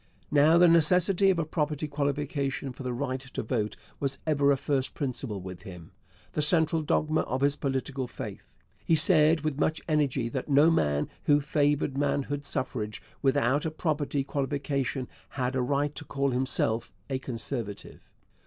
Now, the necessity of a property qualification for the right to vote was ever a first principle with him the central dogma of his political faith. He said with much energy that no man who favoured manhood suffrage without a property qualification had a right to call himself a Conservative.